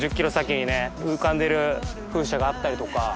隠哀軅茲砲浮かんでる風車があったりとか。